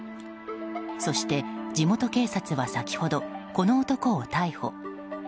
そして、地元警察は先ほど、この男を逮捕。